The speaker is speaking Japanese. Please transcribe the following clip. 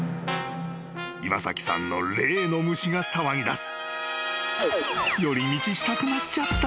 ［岩崎さんの例の虫が騒ぎだす］